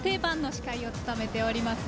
司会を務めております。